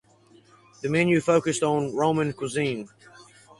The menu focused on Roman cuisine.